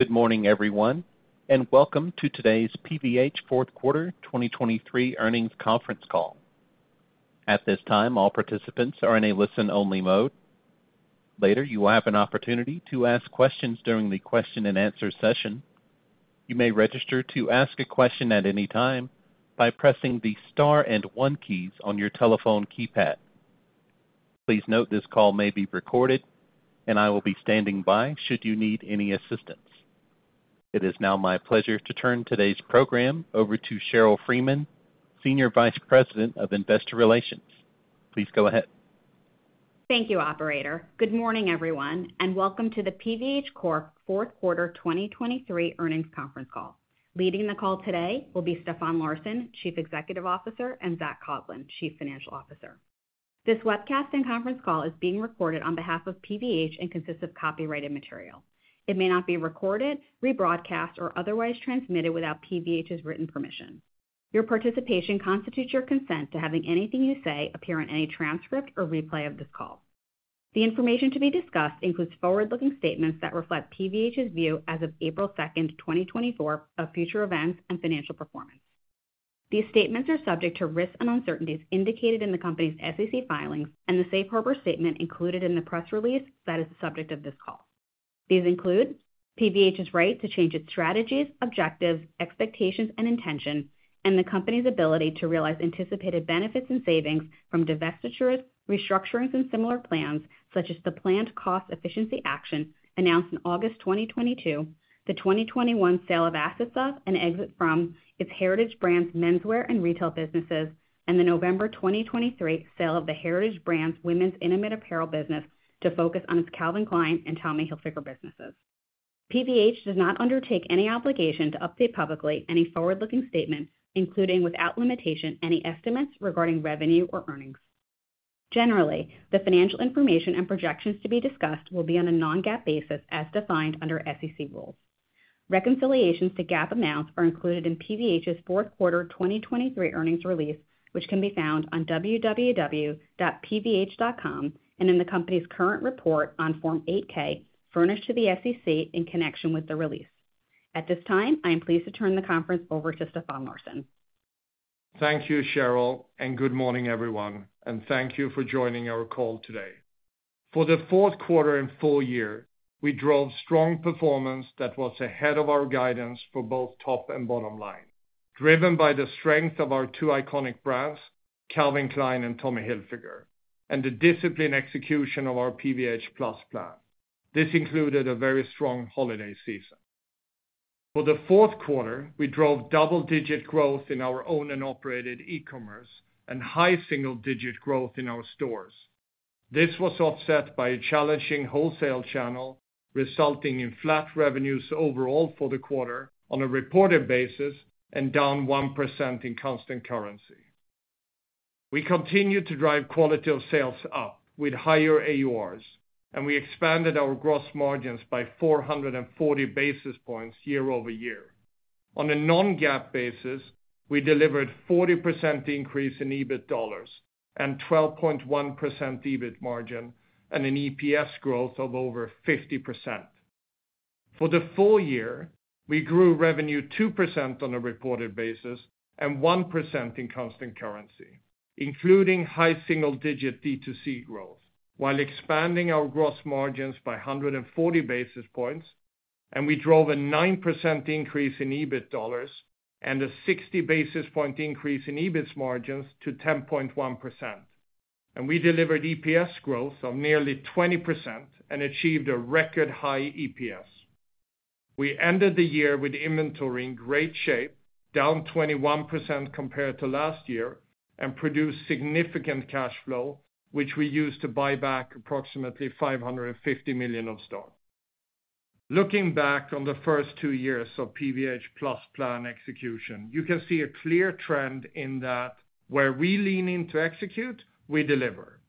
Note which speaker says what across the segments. Speaker 1: Good morning, everyone, and welcome to today's PVH fourth quarter 2023 earnings conference call. At this time, all participants are in a listen-only mode. Later, you will have an opportunity to ask questions during the question-and-answer session. You may register to ask a question at any time by pressing the star and one keys on your telephone keypad. Please note this call may be recorded, and I will be standing by should you need any assistance. It is now my pleasure to turn today's program over to Sheryl Freeman, Senior Vice President of Investor Relations. Please go ahead.
Speaker 2: Thank you, Operator. Good morning, everyone, and welcome to the PVH Corp. fourth quarter 2023 earnings conference call. Leading the call today will be Stefan Larsson, Chief Executive Officer, and Zac Coughlin, Chief Financial Officer. This webcast and conference call is being recorded on behalf of PVH and consists of copyrighted material. It may not be recorded, rebroadcast, or otherwise transmitted without PVH's written permission. Your participation constitutes your consent to having anything you say appear in any transcript or replay of this call. The information to be discussed includes forward-looking statements that reflect PVH's view as of April 2, 2024, of future events and financial performance. These statements are subject to risks and uncertainties indicated in the company's SEC filings and the Safe Harbor Statement included in the press release that is the subject of this call. These include PVH's right to change its strategies, objectives, expectations, and intention, and the company's ability to realize anticipated benefits and savings from divestitures, restructurings, and similar plans such as the planned cost efficiency action announced in August 2022, the 2021 sale of assets of and exit from its Heritage Brands menswear and retail businesses, and the November 2023 sale of the Heritage Brands women's intimate apparel business to focus on its Calvin Klein and Tommy Hilfiger businesses. PVH does not undertake any obligation to update publicly any forward-looking statement, including without limitation any estimates regarding revenue or earnings. Generally, the financial information and projections to be discussed will be on a non-GAAP basis as defined under SEC rules. Reconciliations to GAAP amounts are included in PVH's fourth quarter 2023 earnings release, which can be found on www.pvh.com and in the company's current report on Form 8-K furnished to the SEC in connection with the release. At this time, I am pleased to turn the conference over to Stefan Larsson.
Speaker 3: Thank you, Sheryl, and good morning, everyone, and thank you for joining our call today. For the fourth quarter in four years, we drove strong performance that was ahead of our guidance for both top and bottom line, driven by the strength of our two iconic brands, Calvin Klein and Tommy Hilfiger, and the disciplined execution of our PVH+ Plan. This included a very strong holiday season. For the fourth quarter, we drove double-digit growth in our owned and operated e-commerce and high single-digit growth in our stores. This was offset by a challenging wholesale channel, resulting in flat revenues overall for the quarter on a reported basis and down 1% in constant currency. We continued to drive quality of sales up with higher AURs, and we expanded our gross margins by 440 basis points year-over-year. On a non-GAAP basis, we delivered a 40% increase in EBIT dollars and a 12.1% EBIT margin and an EPS growth of over 50%. For the full year, we grew revenue 2% on a reported basis and 1% in constant currency, including high single-digit D2C growth, while expanding our gross margins by 140 basis points, and we drove a 9% increase in EBIT dollars and a 60 basis point increase in EBIT margins to 10.1%, and we delivered EPS growth of nearly 20% and achieved a record high EPS. We ended the year with inventory in great shape, down 21% compared to last year, and produced significant cash flow, which we used to buy back approximately $550 million of stock. Looking back on the first two years of PVH+ Plan execution, you can see a clear trend in that where we lean into execute, we deliver.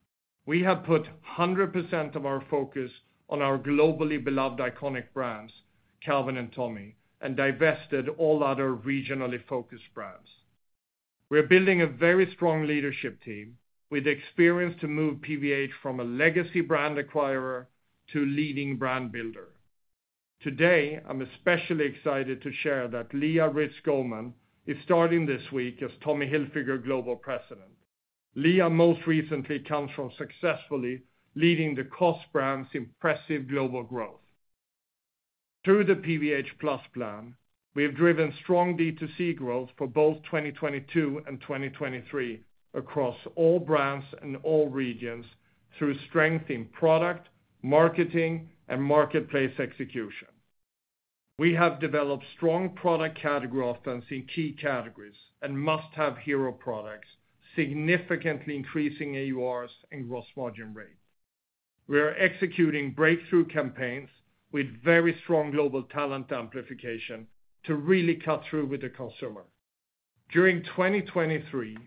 Speaker 3: We have put 100% of our focus on our globally beloved iconic brands, Calvin and Tommy, and divested all other regionally focused brands. We are building a very strong leadership team with experience to move PVH from a legacy brand acquirer to a leading brand builder. Today, I'm especially excited to share that Lea Rytz Goldman is starting this week as Tommy Hilfiger Global President. Lea most recently comes from successfully leading the COS brand's impressive global growth. Through the PVH+ Plan, we have driven strong D2C growth for both 2022 and 2023 across all brands and all regions through strength in product, marketing, and marketplace execution. We have developed strong product category offense in key categories and must-have hero products, significantly increasing AURs and gross margin rate. We are executing breakthrough campaigns with very strong global talent amplification to really cut through with the consumer. During 2023,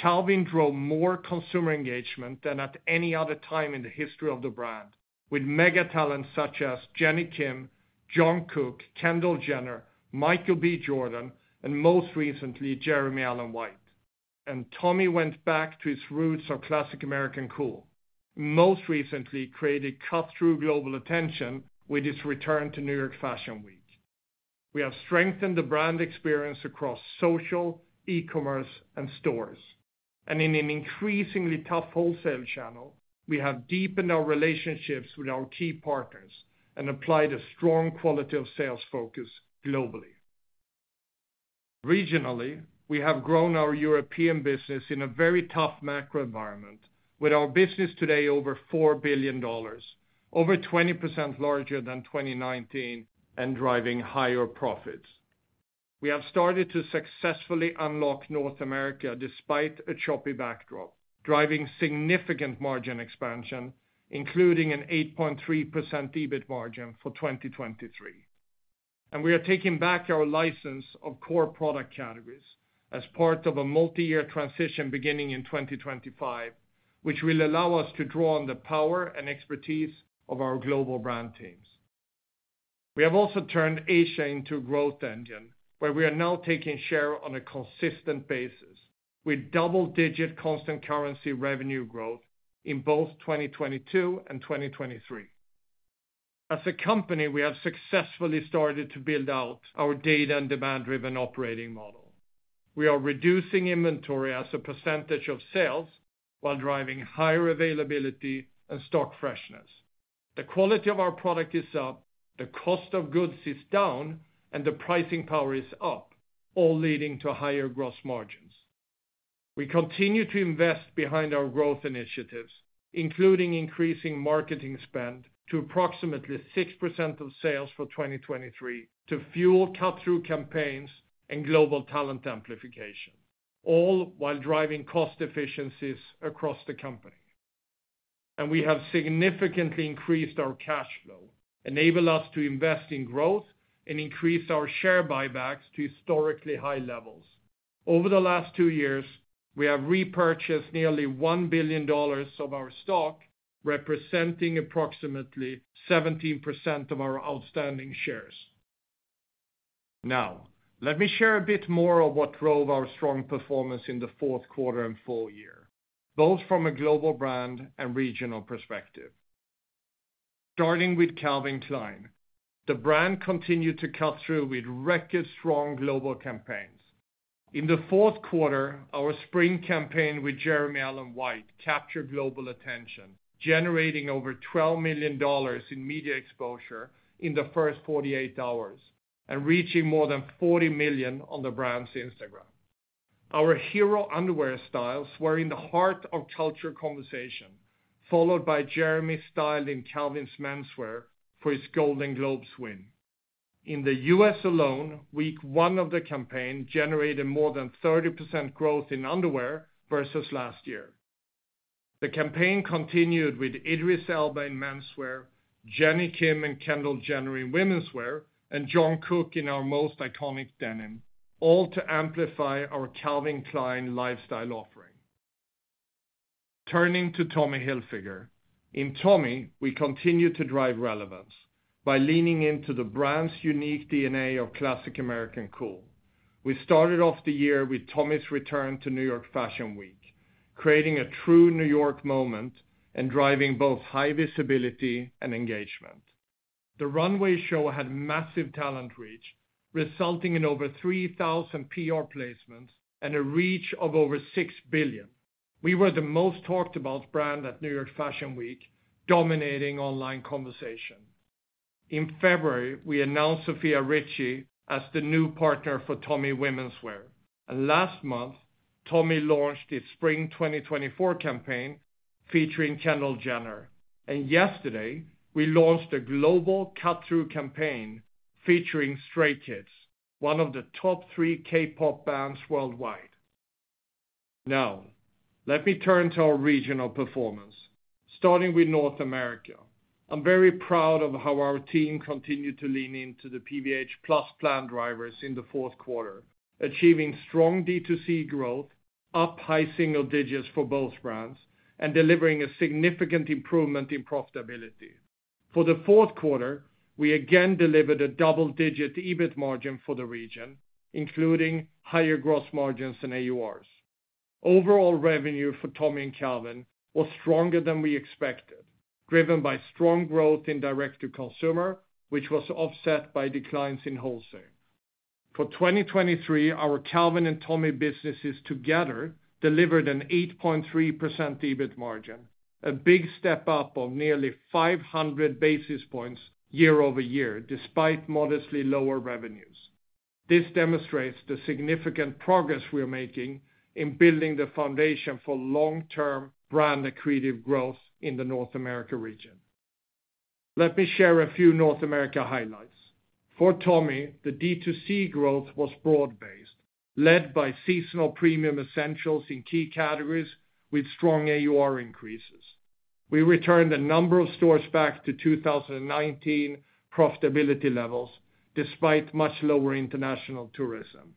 Speaker 3: Calvin drove more consumer engagement than at any other time in the history of the brand, with mega talents such as Jennie Kim, Jungkook, Kendall Jenner, Michael B. Jordan, and most recently Jeremy Allen White. Tommy went back to his roots of classic American cool, most recently creating cut-through global attention with his return to New York Fashion Week. We have strengthened the brand experience across social, e-commerce, and stores. In an increasingly tough wholesale channel, we have deepened our relationships with our key partners and applied a strong quality of sales focus globally. Regionally, we have grown our European business in a very tough macro environment with our business today over $4 billion, over 20% larger than 2019, and driving higher profits. We have started to successfully unlock North America despite a choppy backdrop, driving significant margin expansion, including an 8.3% EBIT margin for 2023. We are taking back our license of core product categories as part of a multi-year transition beginning in 2025, which will allow us to draw on the power and expertise of our global brand teams. We have also turned Asia into a growth engine, where we are now taking share on a consistent basis with double-digit constant currency revenue growth in both 2022 and 2023. As a company, we have successfully started to build out our data and demand-driven operating model. We are reducing inventory as a percentage of sales while driving higher availability and stock freshness. The quality of our product is up, the cost of goods is down, and the pricing power is up, all leading to higher gross margins. We continue to invest behind our growth initiatives, including increasing marketing spend to approximately 6% of sales for 2023 to fuel cut-through campaigns and global talent amplification, all while driving cost efficiencies across the company. We have significantly increased our cash flow, enabled us to invest in growth, and increased our share buybacks to historically high levels. Over the last two years, we have repurchased nearly $1 billion of our stock, representing approximately 17% of our outstanding shares. Now, let me share a bit more of what drove our strong performance in the fourth quarter and full year, both from a global brand and regional perspective. Starting with Calvin Klein, the brand continued to cut through with record-strong global campaigns. In the fourth quarter, our spring campaign with Jeremy Allen White captured global attention, generating over $12 million in media exposure in the first 48 hours and reaching more than 40 million on the brand's Instagram. Our hero underwear styles were in the heart of culture conversation, followed by Jeremy styled in Calvin's menswear for his Golden Globes win. In the U.S. alone, week one of the campaign generated more than 30% growth in underwear versus last year. The campaign continued with Idris Elba in menswear, Jennie Kim and Kendall Jenner in womenswear, and Jungkook in our most iconic denim, all to amplify our Calvin Klein lifestyle offering. Turning to Tommy Hilfiger. In Tommy, we continue to drive relevance by leaning into the brand's unique DNA of classic American cool. We started off the year with Tommy's return to New York Fashion Week, creating a true New York moment and driving both high visibility and engagement. The runway show had massive talent reach, resulting in over 3,000 PR placements and a reach of over $6 billion. We were the most talked-about brand at New York Fashion Week, dominating online conversation. In February, we announced Sofia Richie as the new partner for Tommy womenswear, and last month, Tommy launched his spring 2024 campaign featuring Kendall Jenner, and yesterday, we launched a global cut-through campaign featuring Stray Kids, one of the top three K-pop bands worldwide. Now, let me turn to our regional performance, starting with North America. I'm very proud of how our team continued to lean into the PVH+ Plan drivers in the fourth quarter, achieving strong D2C growth, up high single digits for both brands, and delivering a significant improvement in profitability. For the fourth quarter, we again delivered a double-digit EBIT margin for the region, including higher gross margins and AURs. Overall revenue for Tommy and Calvin was stronger than we expected, driven by strong growth in direct-to-consumer, which was offset by declines in wholesale. For 2023, our Calvin and Tommy businesses together delivered an 8.3% EBIT margin, a big step up of nearly 500 basis points year-over-year despite modestly lower revenues. This demonstrates the significant progress we are making in building the foundation for long-term brand accretive growth in the North America region. Let me share a few North America highlights. For Tommy, the D2C growth was broad-based, led by seasonal premium essentials in key categories with strong AUR increases. We returned a number of stores back to 2019 profitability levels despite much lower international tourism.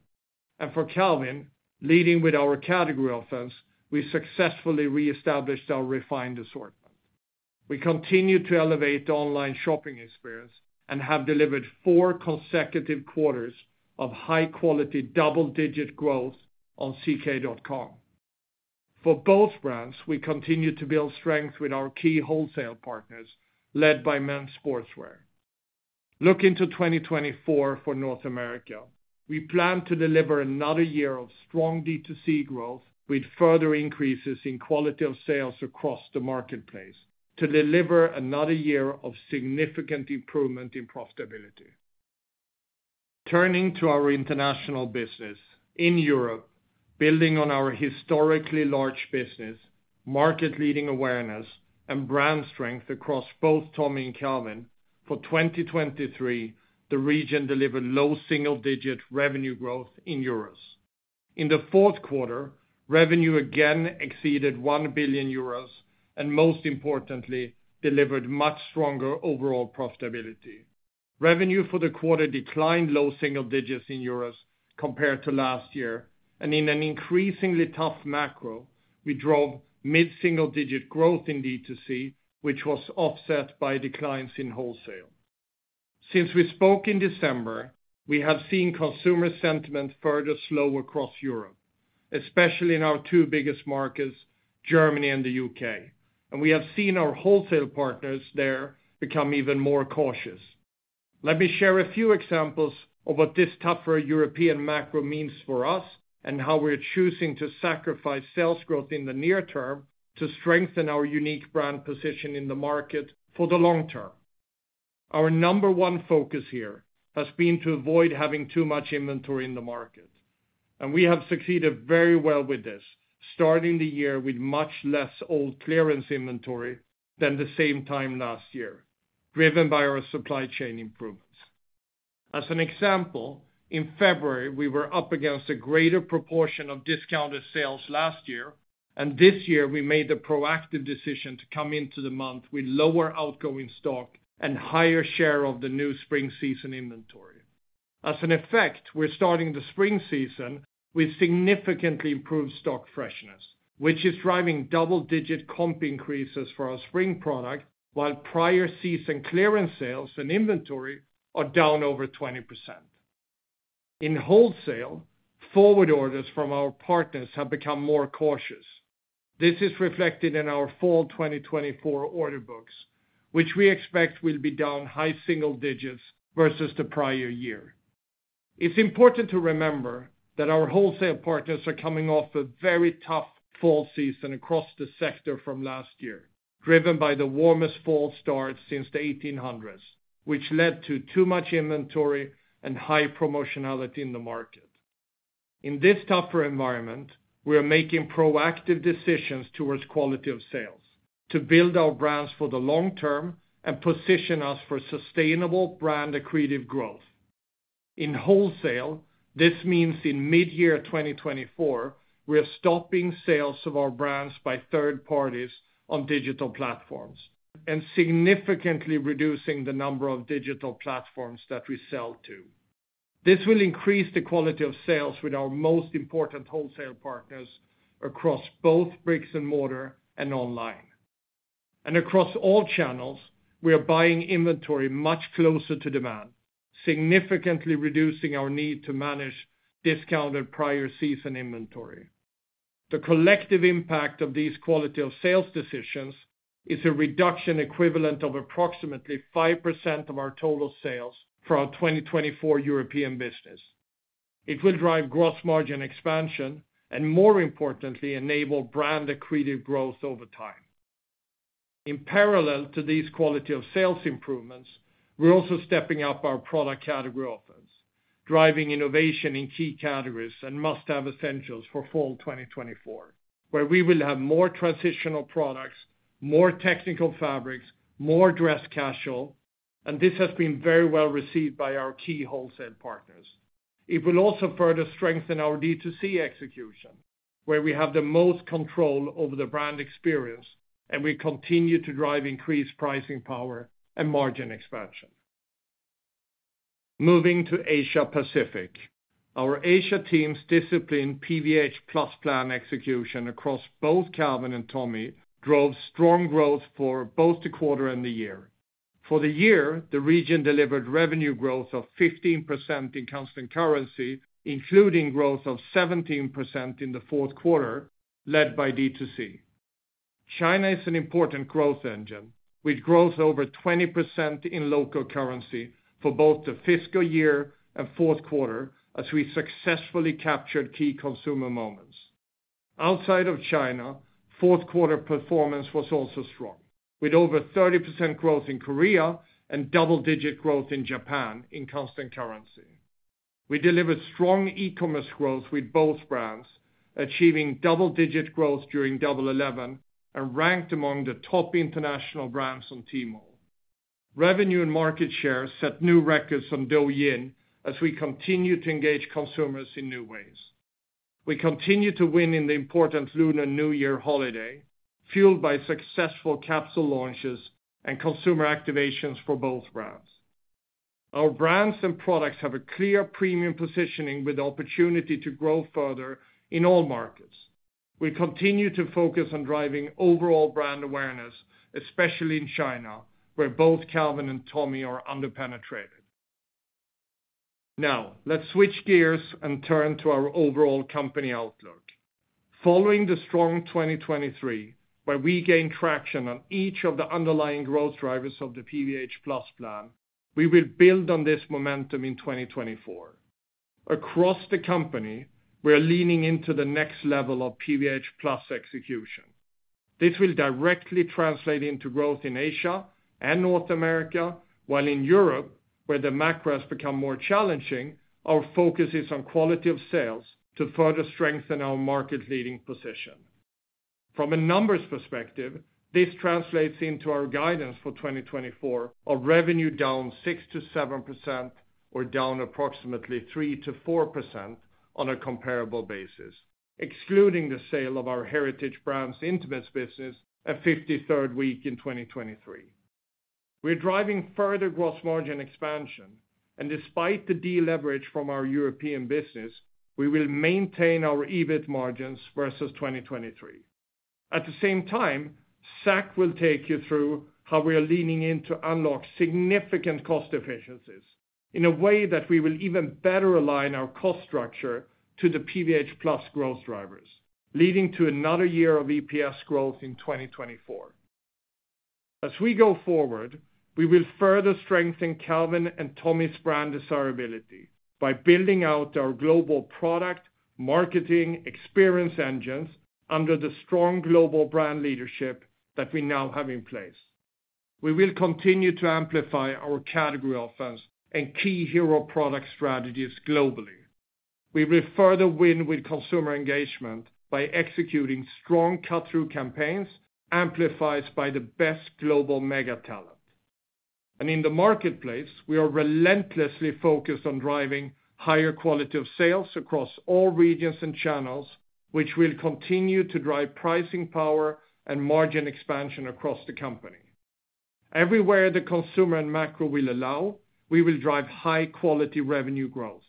Speaker 3: For Calvin, leading with our category offense, we successfully reestablished our refined assortment. We continue to elevate the online shopping experience and have delivered four consecutive quarters of high-quality double-digit growth on ck.com. For both brands, we continue to build strength with our key wholesale partners, led by men's sportswear. Looking to 2024 for North America, we plan to deliver another year of strong D2C growth with further increases in quality of sales across the marketplace to deliver another year of significant improvement in profitability. Turning to our international business. In Europe, building on our historically large business, market-leading awareness, and brand strength across both Tommy and Calvin, for 2023, the region delivered low single-digit revenue growth in euros. In the fourth quarter, revenue again exceeded $1 billion and, most importantly, delivered much stronger overall profitability. Revenue for the quarter declined low single digits in euros compared to last year, and in an increasingly tough macro, we drove mid-single digit growth in D2C, which was offset by declines in wholesale. Since we spoke in December, we have seen consumer sentiment further slow across Europe, especially in our two biggest markets, Germany and the U.K., and we have seen our wholesale partners there become even more cautious. Let me share a few examples of what this tougher European macro means for us and how we are choosing to sacrifice sales growth in the near term to strengthen our unique brand position in the market for the long term. Our number one focus here has been to avoid having too much inventory in the market, and we have succeeded very well with this, starting the year with much less old clearance inventory than the same time last year, driven by our supply chain improvements. As an example, in February, we were up against a greater proportion of discounted sales last year, and this year we made the proactive decision to come into the month with lower outgoing stock and higher share of the new spring season inventory. As an effect, we are starting the spring season with significantly improved stock freshness, which is driving double-digit comp increases for our spring product while prior season clearance sales and inventory are down over 20%. In wholesale, forward orders from our partners have become more cautious. This is reflected in our fall 2024 order books, which we expect will be down high single digits versus the prior year. It's important to remember that our wholesale partners are coming off a very tough fall season across the sector from last year, driven by the warmest fall start since the 1800s, which led to too much inventory and high promotionality in the market. In this tougher environment, we are making proactive decisions towards quality of sales to build our brands for the long term and position us for sustainable brand accretive growth. In wholesale, this means in mid-year 2024, we are stopping sales of our brands by third parties on digital platforms and significantly reducing the number of digital platforms that we sell to. This will increase the quality of sales with our most important wholesale partners across both bricks and mortar and online. Across all channels, we are buying inventory much closer to demand, significantly reducing our need to manage discounted prior season inventory. The collective impact of these quality of sales decisions is a reduction equivalent of approximately 5% of our total sales for our 2024 European business. It will drive gross margin expansion and, more importantly, enable brand accretive growth over time. In parallel to these quality of sales improvements, we are also stepping up our product category offensives, driving innovation in key categories and must-have essentials for fall 2024, where we will have more transitional products, more technical fabrics, more dress casual, and this has been very well received by our key wholesale partners. It will also further strengthen our D2C execution, where we have the most control over the brand experience, and we continue to drive increased pricing power and margin expansion. Moving to Asia Pacific. Our Asia team's disciplined PVH+ Plan execution across both Calvin and Tommy drove strong growth for both the quarter and the year. For the year, the region delivered revenue growth of 15% in constant currency, including growth of 17% in the fourth quarter, led by D2C. China is an important growth engine, with growth over 20% in local currency for both the fiscal year and fourth quarter as we successfully captured key consumer moments. Outside of China, fourth quarter performance was also strong, with over 30% growth in Korea and double-digit growth in Japan in constant currency. We delivered strong e-commerce growth with both brands, achieving double-digit growth during Double Eleven, and ranked among the top international brands on Tmall. Revenue and market share set new records on Douyin as we continue to engage consumers in new ways. We continue to win in the important Lunar New Year holiday, fueled by successful capsule launches and consumer activations for both brands. Our brands and products have a clear premium positioning with the opportunity to grow further in all markets. We continue to focus on driving overall brand awareness, especially in China, where both Calvin and Tommy are underpenetrated. Now, let's switch gears and turn to our overall company outlook. Following the strong 2023, where we gained traction on each of the underlying growth drivers of the PVH+ plan, we will build on this momentum in 2024. Across the company, we are leaning into the next level of PVH+ execution. This will directly translate into growth in Asia and North America, while in Europe, where the macro has become more challenging, our focus is on quality of sales to further strengthen our market-leading position. From a numbers perspective, this translates into our guidance for 2024 of revenue down 6%-7% or down approximately 3%-4% on a comparable basis, excluding the sale of our Heritage Brands' intimates business at 53rd week in 2023. We are driving further gross margin expansion, and despite the deleverage from our European business, we will maintain our EBIT margins versus 2023. At the same time, Zac will take you through how we are leaning in to unlock significant cost efficiencies in a way that we will even better align our cost structure to the PVH+ growth drivers, leading to another year of EPS growth in 2024. As we go forward, we will further strengthen Calvin and Tommy's brand desirability by building out our global product, marketing, experience engines under the strong global brand leadership that we now have in place. We will continue to amplify our category offense and key hero product strategies globally. We will further win with consumer engagement by executing strong cut-through campaigns amplified by the best global mega-talent. In the marketplace, we are relentlessly focused on driving higher quality of sales across all regions and channels, which will continue to drive pricing power and margin expansion across the company. Everywhere the consumer and macro will allow, we will drive high-quality revenue growth.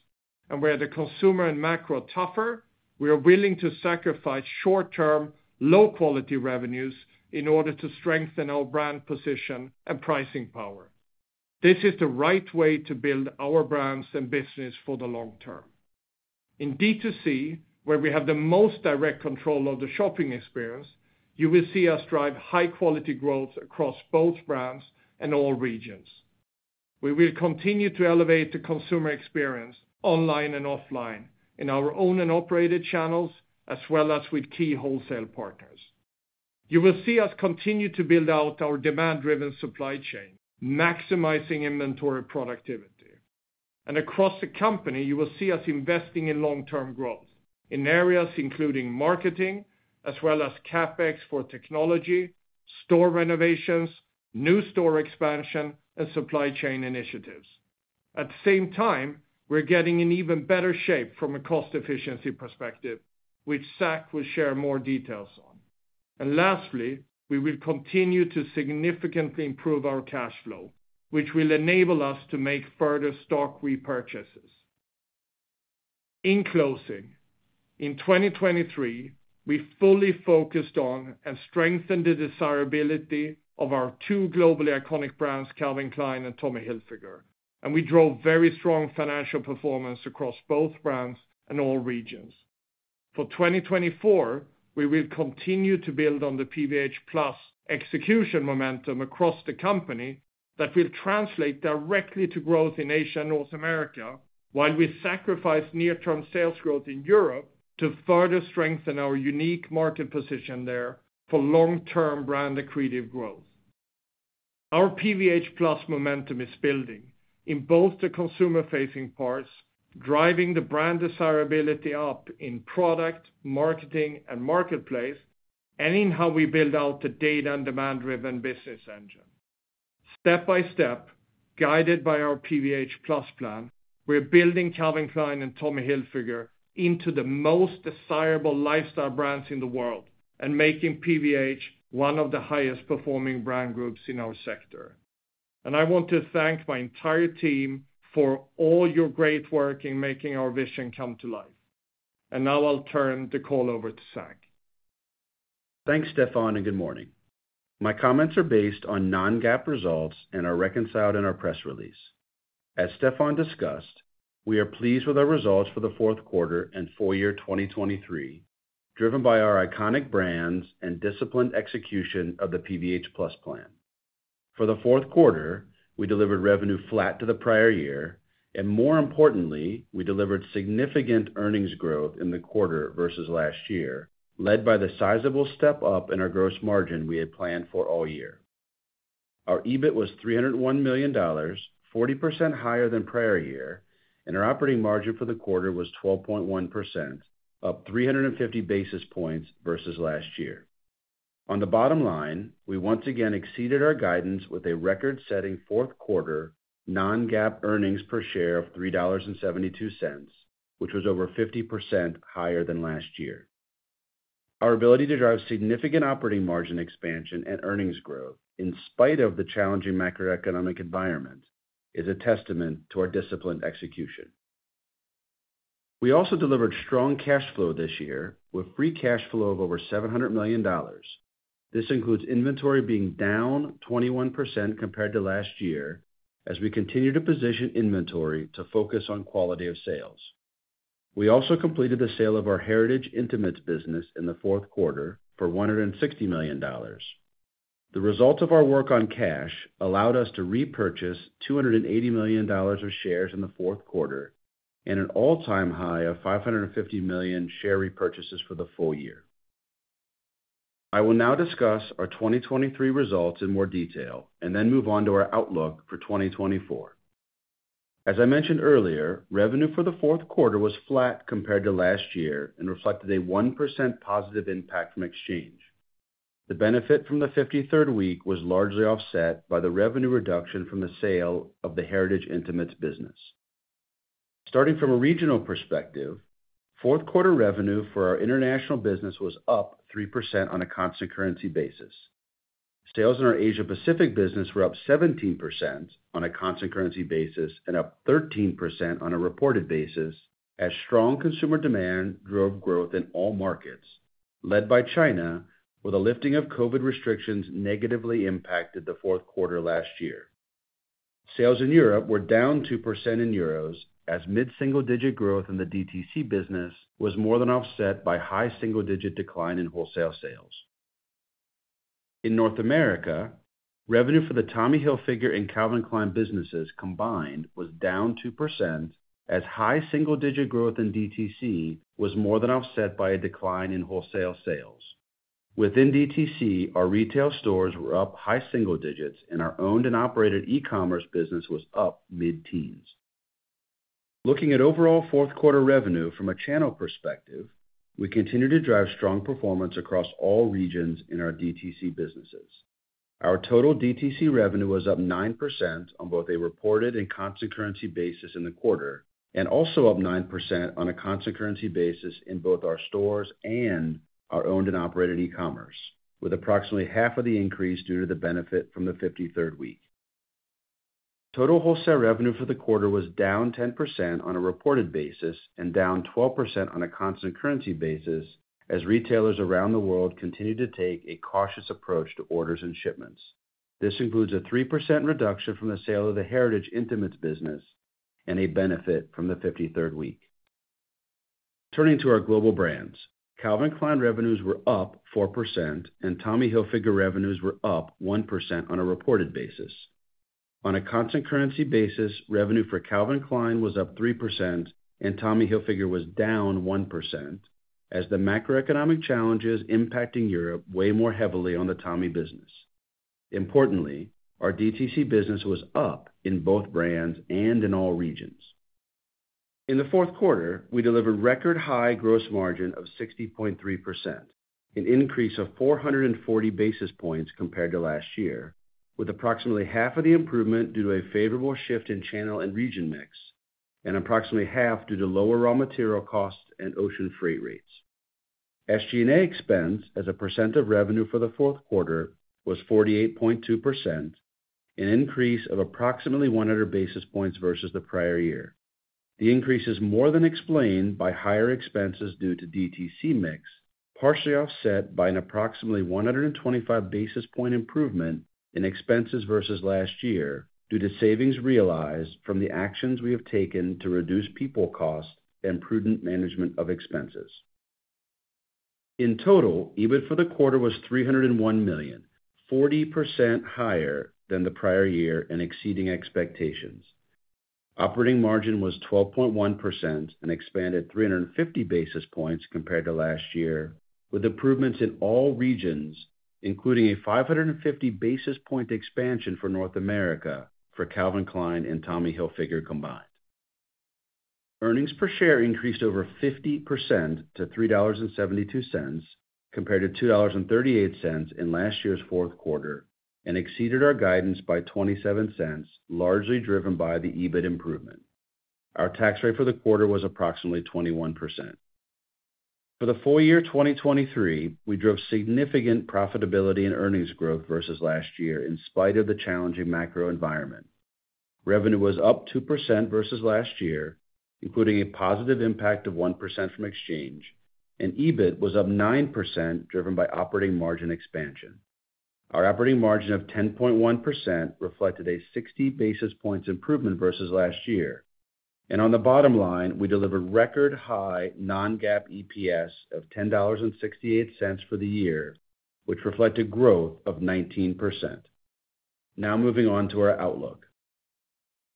Speaker 3: And where the consumer and macro are tougher, we are willing to sacrifice short-term, low-quality revenues in order to strengthen our brand position and pricing power. This is the right way to build our brands and business for the long term. In D2C, where we have the most direct control of the shopping experience, you will see us drive high-quality growth across both brands and all regions. We will continue to elevate the consumer experience online and offline in our own and operated channels, as well as with key wholesale partners. You will see us continue to build out our demand-driven supply chain, maximizing inventory productivity. Across the company, you will see us investing in long-term growth in areas including marketing, as well as CapEx for technology, store renovations, new store expansion, and supply chain initiatives. At the same time, we are getting in even better shape from a cost efficiency perspective, which Zac will share more details on. And lastly, we will continue to significantly improve our cash flow, which will enable us to make further stock repurchases. In closing, in 2023, we fully focused on and strengthened the desirability of our two globally iconic brands, Calvin Klein and Tommy Hilfiger, and we drove very strong financial performance across both brands and all regions. For 2024, we will continue to build on the PVH+ execution momentum across the company that will translate directly to growth in Asia and North America, while we sacrifice near-term sales growth in Europe to further strengthen our unique market position there for long-term brand accretive growth. Our PVH+ momentum is building in both the consumer-facing parts, driving the brand desirability up in product, marketing, and marketplace, and in how we build out the data and demand-driven business engine. Step by step, guided by our PVH+ plan, we are building Calvin Klein and Tommy Hilfiger into the most desirable lifestyle brands in the world and making PVH one of the highest-performing brand groups in our sector. I want to thank my entire team for all your great work in making our vision come to life. Now I'll turn the call over to Zac.
Speaker 4: Thanks, Stefan, and good morning. My comments are based on non-GAAP results and are reconciled in our press release. As Stefan discussed, we are pleased with our results for the fourth quarter and full year 2023, driven by our iconic brands and disciplined execution of the PVH+ Plan. For the fourth quarter, we delivered revenue flat to the prior year, and more importantly, we delivered significant earnings growth in the quarter versus last year, led by the sizable step-up in our gross margin we had planned for all year. Our EBIT was $301 million, 40% higher than prior year, and our operating margin for the quarter was 12.1%, up 350 basis points versus last year. On the bottom line, we once again exceeded our guidance with a record-setting fourth quarter non-GAAP earnings per share of $3.72, which was over 50% higher than last year. Our ability to drive significant operating margin expansion and earnings growth in spite of the challenging macroeconomic environment is a testament to our disciplined execution. We also delivered strong cash flow this year, with free cash flow of over $700 million. This includes inventory being down 21% compared to last year as we continue to position inventory to focus on quality of sales. We also completed the sale of our Heritage intimates business in the fourth quarter for $160 million. The results of our work on cash allowed us to repurchase $280 million of shares in the fourth quarter and an all-time high of $550 million share repurchases for the full year. I will now discuss our 2023 results in more detail and then move on to our outlook for 2024. As I mentioned earlier, revenue for the fourth quarter was flat compared to last year and reflected a 1% positive impact from exchange. The benefit from the 53rd week was largely offset by the revenue reduction from the sale of the Heritage intimates business. Starting from a regional perspective, fourth quarter revenue for our international business was up 3% on a constant currency basis. Sales in our Asia Pacific business were up 17% on a constant currency basis and up 13% on a reported basis as strong consumer demand drove growth in all markets, led by China, where the lifting of COVID restrictions negatively impacted the fourth quarter last year. Sales in Europe were down 2% in euros as mid-single-digit growth in the DTC business was more than offset by high single-digit decline in wholesale sales. In North America, revenue for the Tommy Hilfiger and Calvin Klein businesses combined was down 2% as high single-digit growth in DTC was more than offset by a decline in wholesale sales. Within DTC, our retail stores were up high single digits, and our owned and operated e-commerce business was up mid-teens. Looking at overall fourth quarter revenue from a channel perspective, we continue to drive strong performance across all regions in our DTC businesses. Our total DTC revenue was up 9% on both a reported and constant currency basis in the quarter and also up 9% on a constant currency basis in both our stores and our owned and operated e-commerce, with approximately half of the increase due to the benefit from the 53rd week. Total wholesale revenue for the quarter was down 10% on a reported basis and down 12% on a constant currency basis as retailers around the world continue to take a cautious approach to orders and shipments. This includes a 3% reduction from the sale of the Heritage intimates business and a benefit from the 53rd week. Turning to our global brands, Calvin Klein revenues were up 4% and Tommy Hilfiger revenues were up 1% on a reported basis. On a constant currency basis, revenue for Calvin Klein was up 3% and Tommy Hilfiger was down 1% as the macroeconomic challenges impacting Europe weigh more heavily on the Tommy business. Importantly, our DTC business was up in both brands and in all regions. In the fourth quarter, we delivered record-high gross margin of 60.3%, an increase of 440 basis points compared to last year, with approximately half of the improvement due to a favorable shift in channel and region mix and approximately half due to lower raw material costs and ocean freight rates. SG&A expense, as a percent of revenue for the fourth quarter, was 48.2%, an increase of approximately 100 basis points versus the prior year. The increase is more than explained by higher expenses due to DTC mix, partially offset by an approximately 125 basis point improvement in expenses versus last year due to savings realized from the actions we have taken to reduce people cost and prudent management of expenses. In total, EBIT for the quarter was $301 million, 40% higher than the prior year and exceeding expectations. Operating margin was 12.1% and expanded 350 basis points compared to last year, with improvements in all regions including a 550 basis point expansion for North America for Calvin Klein and Tommy Hilfiger combined. Earnings per share increased over 50% to $3.72 compared to $2.38 in last year's fourth quarter and exceeded our guidance by $0.27, largely driven by the EBIT improvement. Our tax rate for the quarter was approximately 21%. For the full year 2023, we drove significant profitability and earnings growth versus last year in spite of the challenging macro environment. Revenue was up 2% versus last year, including a positive impact of 1% from exchange, and EBIT was up 9% driven by operating margin expansion. Our operating margin of 10.1% reflected a 60 basis points improvement versus last year, and on the bottom line, we delivered record-high non-GAAP EPS of $10.68 for the year, which reflected growth of 19%. Now moving on to our outlook.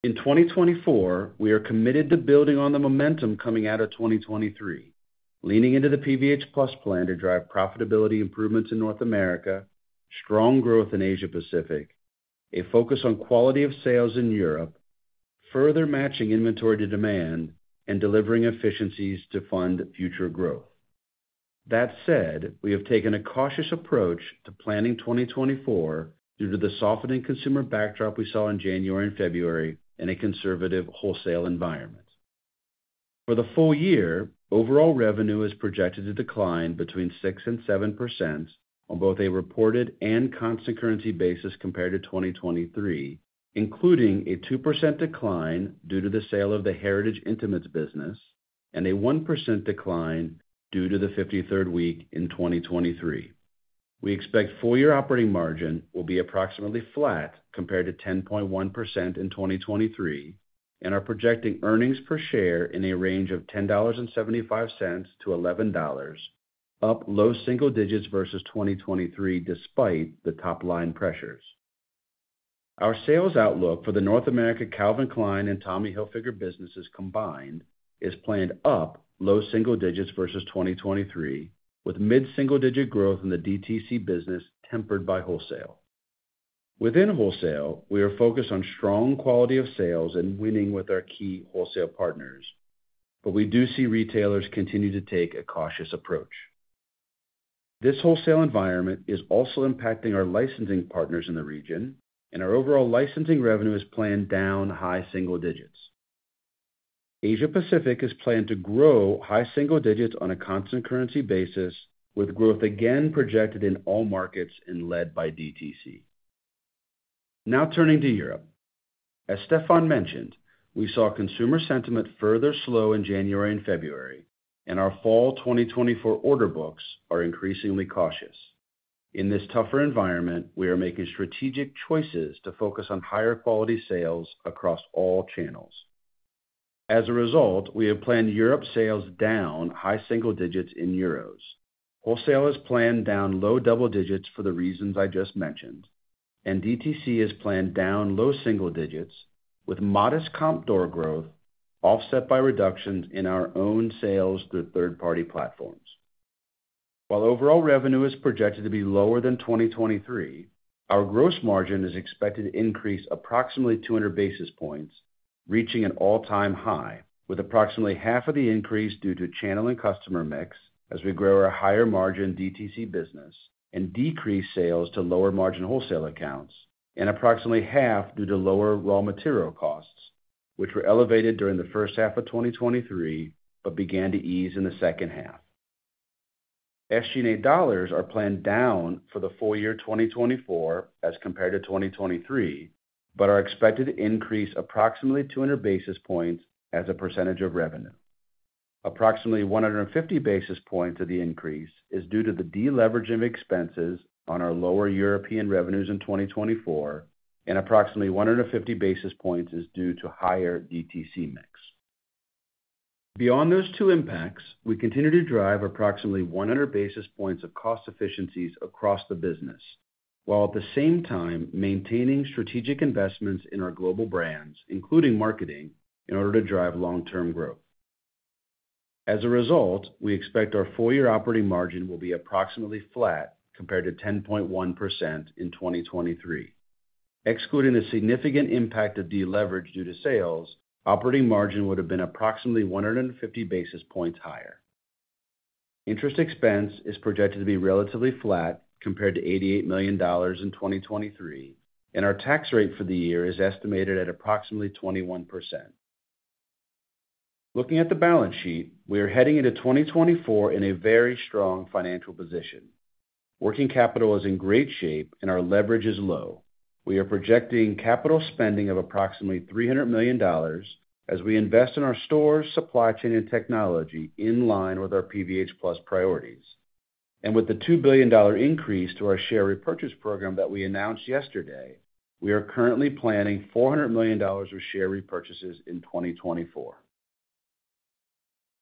Speaker 4: In 2024, we are committed to building on the momentum coming out of 2023, leaning into the PVH+ Plan to drive profitability improvements in North America, strong growth in Asia Pacific, a focus on quality of sales in Europe, further matching inventory to demand, and delivering efficiencies to fund future growth. That said, we have taken a cautious approach to planning 2024 due to the softening consumer backdrop we saw in January and February in a conservative wholesale environment. For the full year, overall revenue is projected to decline 6%-7% on both a reported and constant currency basis compared to 2023, including a 2% decline due to the sale of the Heritage intimates business and a 1% decline due to the 53rd week in 2023. We expect full-year operating margin will be approximately flat compared to 10.1% in 2023, and are projecting earnings per share in a range of $10.75-$11, up low single digits versus 2023 despite the top-line pressures. Our sales outlook for the North America Calvin Klein and Tommy Hilfiger businesses combined is planned up low single digits versus 2023, with mid-single digit growth in the DTC business tempered by wholesale. Within wholesale, we are focused on strong quality of sales and winning with our key wholesale partners, but we do see retailers continue to take a cautious approach. This wholesale environment is also impacting our licensing partners in the region, and our overall licensing revenue is planned down high single digits. Asia Pacific is planned to grow high single digits on a constant currency basis, with growth again projected in all markets and led by DTC. Now turning to Europe. As Stefan mentioned, we saw consumer sentiment further slow in January and February, and our fall 2024 order books are increasingly cautious. In this tougher environment, we are making strategic choices to focus on higher quality sales across all channels. As a result, we have planned Europe sales down high single digits in euros, wholesale is planned down low double digits for the reasons I just mentioned, and DTC is planned down low single digits with modest comp door growth offset by reductions in our own sales through third-party platforms. While overall revenue is projected to be lower than 2023, our gross margin is expected to increase approximately 200 basis points, reaching an all-time high with approximately half of the increase due to channel and customer mix as we grow our higher margin D2C business and decrease sales to lower margin wholesale accounts, and approximately half due to lower raw material costs, which were elevated during the first half of 2023 but began to ease in the second half. SG&A dollars are planned down for the full year 2024 as compared to 2023 but are expected to increase approximately 200 basis points as a percentage of revenue. Approximately 150 basis points of the increase is due to the deleveraging of expenses on our lower European revenues in 2024, and approximately 150 basis points is due to higher D2C mix. Beyond those two impacts, we continue to drive approximately 100 basis points of cost efficiencies across the business while at the same time maintaining strategic investments in our global brands, including marketing, in order to drive long-term growth. As a result, we expect our full-year operating margin will be approximately flat compared to 10.1% in 2023. Excluding the significant impact of deleverage due to sales, operating margin would have been approximately 150 basis points higher. Interest expense is projected to be relatively flat compared to $88 million in 2023, and our tax rate for the year is estimated at approximately 21%. Looking at the balance sheet, we are heading into 2024 in a very strong financial position. Working capital is in great shape and our leverage is low. We are projecting capital spending of approximately $300 million as we invest in our stores, supply chain, and technology in line with our PVH+ priorities. With the $2 billion increase to our share repurchase program that we announced yesterday, we are currently planning $400 million of share repurchases in 2024.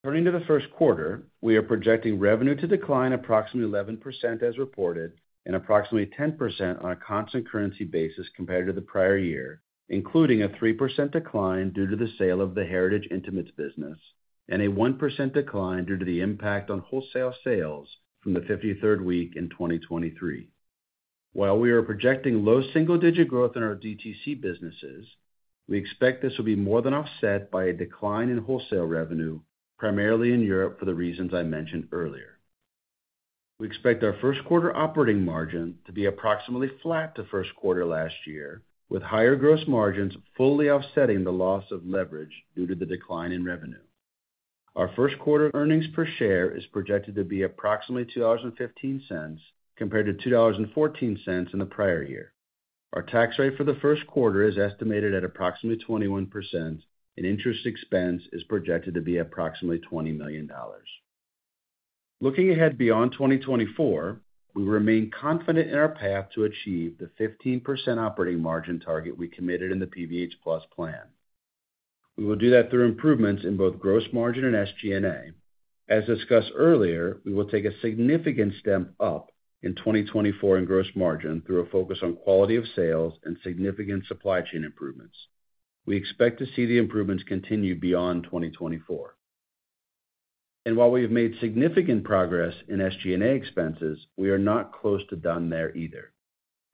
Speaker 4: Turning to the first quarter, we are projecting revenue to decline approximately 11% as reported and approximately 10% on a constant currency basis compared to the prior year, including a 3% decline due to the sale of the Heritage intimates business and a 1% decline due to the impact on wholesale sales from the 53rd week in 2023. While we are projecting low single digit growth in our DTC businesses, we expect this will be more than offset by a decline in wholesale revenue, primarily in Europe for the reasons I mentioned earlier. We expect our first quarter operating margin to be approximately flat to first quarter last year, with higher gross margins fully offsetting the loss of leverage due to the decline in revenue. Our first quarter earnings per share is projected to be approximately $2.15 compared to $2.14 in the prior year. Our tax rate for the first quarter is estimated at approximately 21%, and interest expense is projected to be approximately $20 million. Looking ahead beyond 2024, we remain confident in our path to achieve the 15% operating margin target we committed in the PVH+ Plan. We will do that through improvements in both gross margin and SG&A. As discussed earlier, we will take a significant step up in 2024 in gross margin through a focus on quality of sales and significant supply chain improvements. We expect to see the improvements continue beyond 2024. While we have made significant progress in SG&A expenses, we are not close to done there either.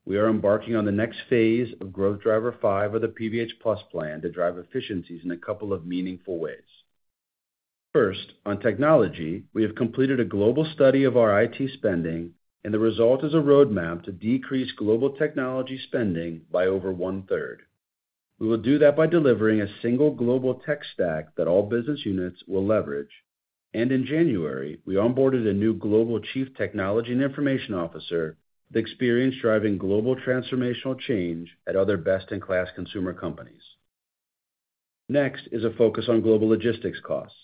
Speaker 4: We are embarking on the next phase of growth driver five of the PVH+ Plan to drive efficiencies in a couple of meaningful ways. First, on technology, we have completed a global study of our IT spending, and the result is a roadmap to decrease global technology spending by over one-third. We will do that by delivering a single global tech stack that all business units will leverage, and in January, we onboarded a new global chief technology and information officer with experience driving global transformational change at other best-in-class consumer companies. Next is a focus on global logistics costs.